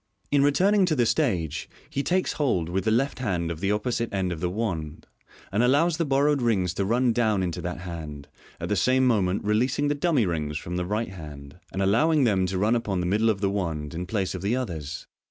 In returning to the stage, he takes hold with the left hand of the opposite end of the wand, and allows the bor rowed rings to run down into that hand, at the same moment releasing the dummy rings from the right hand, and allowing them to run upon the middle of the wand in place of the others.